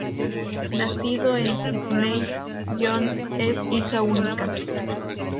Nacido en Sídney, Jones es hija única.